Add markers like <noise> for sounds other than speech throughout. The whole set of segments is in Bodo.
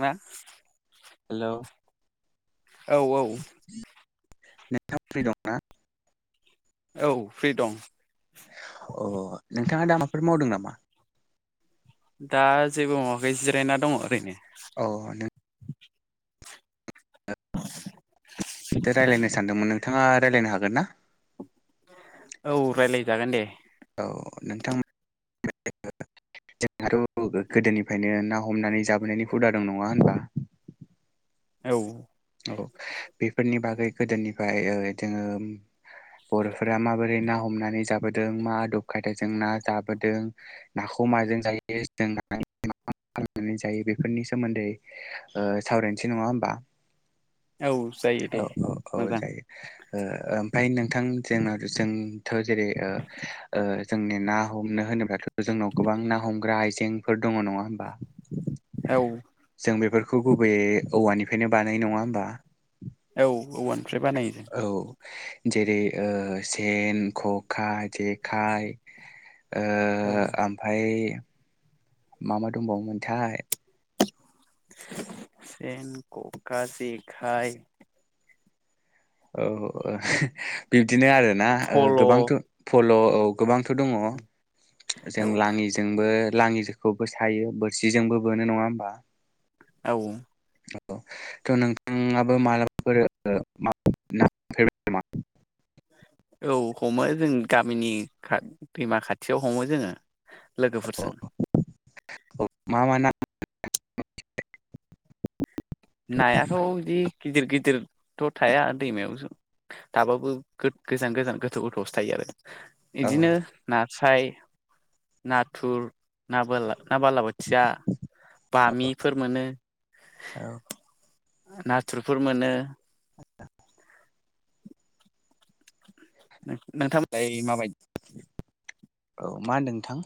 मा? हेलौ। औ, औ। नोंथाङा फ्रि दंना? औ फ्रि दं अ' नोंथाङा दा माबाफोर मावदों नामा? दा जेबो मावाखै जिरायना दङ ओरैनो। औ नोंथां <inaudible> रायज्लायनो सानदोंमोन नोंथाङा रायज्लायनो हागोन ना? औ रायज्लायजागोन दे औ नोंथां <inaudible> जोंहाथ' गोदोनिफ्रायनो ना हमनानै जाबोनायनि हुदा दं नङा होनबा औ औ बेफोरनि बागै गोदोनिफ्राय जोङो बर'फोरा माबोरै ना हमनानै जाबोदों मा आदब खायदाजों ना जाबोदों नाखौ माजों जायो <unintelligible> मा खालामनानै जायो बेफोरनि सोमोन्दै ओ सावरायनोसै नङा होमबा औ जायो औ दे औ औ मोजां जायो ओ मफ्राय नोंथां जोंनावव जोंथ'ओ -ओ जेरै जोंनि ना हमनो होनोब्लाथ' जों जोंनाव गोबां ना हमग्रा आइजेंफोर दङ नङा होमबा औ जों बेफोरखौ गुबैयै औवानिफ्रायनो बानायो नङा होमबा। औ औवानि औ जेरै सेन, खखा, जेखाइ ओ औ ओमफ्राय मा मा दंबावोमोनथाय सेन कका जेखाय औ बिब्दिनो आरोना फल' औ गोबांथ' फल' औ गोबांथ' दङ जों औ लाङिजोंबो लाङिखौबो सायो बोरसिजोंबो बोनो नङा होमबा औ औ थ' नोंथाङाबो मालाबाफोर म <unintelligible> <inaudible> औ हमो जों गामिनि खा दैमा खाथियाव हमो जोङो लोगोफोरजों। मा मा ना <unintelligible> नायाथ' बिदि गिदिर गिदिरथ' थाया दैमायावसो थाबाबो गोजान गोजान गोथौ गोथौ आवसो थायो आरो। औ बिदिनो नास्राय नाथुर ना बाला ना बालाबोथिया बामिफोर मोनो। औ नाथुरफोर मोनो <inaudible> नोंथांमोननालाय माबायदि औ मा होनदों नोंथां?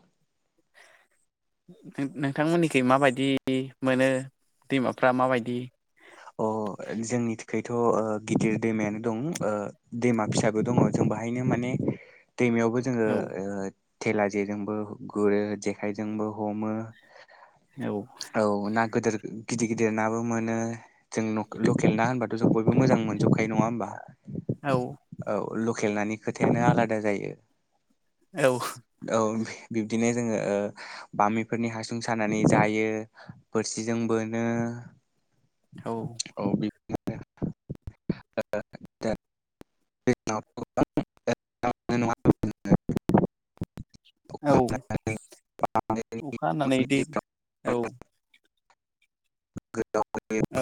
नोंथांमोननिथिं माबायदि मोनो दैमाफ्रा माबायदि अ' जोंनि थाखायथ' गिदिर दैमायानो दं दैमा फिसाबो दङ जों बाहायनो माने दैमायावबो जोङो औ थेला जेजोंबो गुरो जेखाइजोंबो हमो औ ना गोदोर गिदिर गिदिर नाबो मोनो। जों लकेल ना होनबाथ' जों बयबो मोजां मोनजोबखायो नङा होमबा औ औ लकेल नानि खोथायानो आलादा जायो औ औ। बिब्दिनो जोङो ओ बामिफोरनि हासुं सानानै जायो बोरसिजों बोनो। औ। औ बिदिनो <unintelligible> <unintelligible> औ अखा हानानै दै औ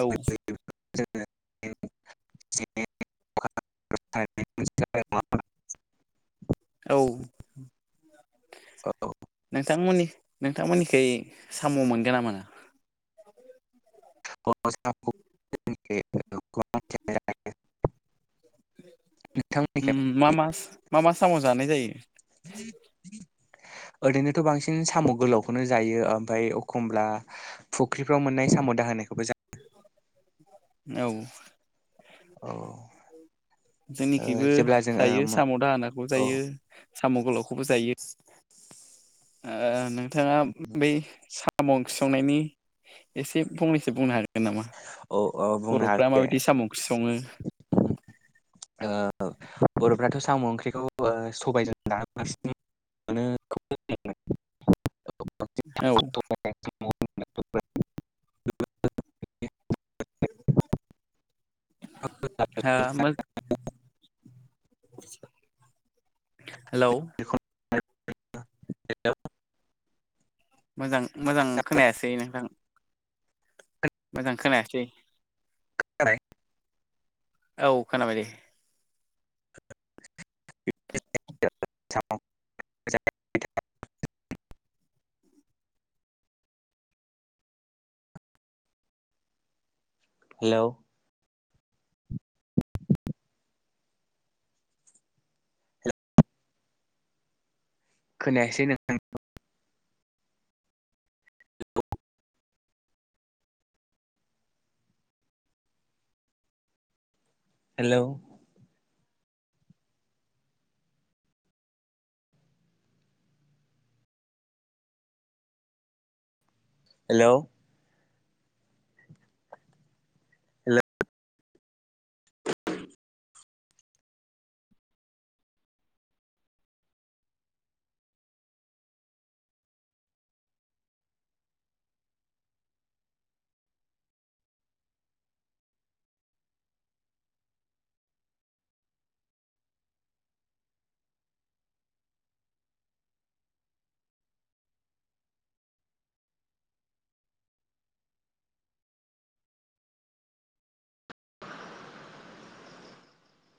औ <unintelligible> औ। औ। नोंथांमोननि नोंथांमोनिखै साम मोनगोना मोना। <unintelligible> उम मा मास मा मा साम जानाय जायो। ओरैनोथ बांसिन साम गोलावखौनो जायो ओमफ्राय अखमब्ला फुख्रिफ्राव मोननाय साम' दा दानायखौबो जा औ। औ जोंनिखिबो जेब्ला जायो जोङो साम' दाहोनाखौबो औ जायो। साम' गोलावखौबो जायो। ओ नोंथाङा बै साम' ओंख्रि संनायनि एसे फंनैसो बुंनो हागोन नामा औ औ बुंनो बर'फ्रा हागोन दे माबायदि साम' ओंख्रि सङो। ओ बर'फ्राथ साम' ओंख्रिखौ ओ सबायजों ना बांसिन मोनो। औ <unintelligible> हो मो हेलौ। <unintelligible> मोजां मोजां खोनायासै नोंथां। मोजां खोनायासै। खोनाबाय। औ खोनाबाय दे। <unintelligible> हेलौ। खोनायासै नोंथां। हेलौ। हेलौ। हेलौ।